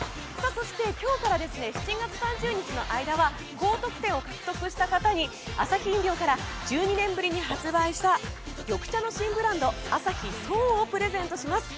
今日から７月３０日の間は高得点を獲得した方にアサヒ飲料から１２年ぶりに発売した緑茶の新ブランド、アサヒ颯をプレゼントします。